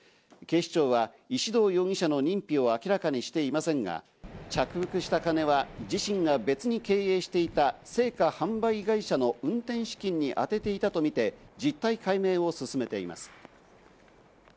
警視庁は石動容疑者の認否を明らかにしていませんが、着服した金は自身が別に経営していた生花販売会社の運転資金に充てていたとみて、実態解明を進めています。